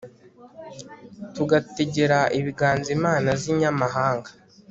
tugategera ibiganza imana z'inyamahanga